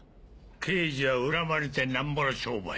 刑事は恨まれてなんぼの商売。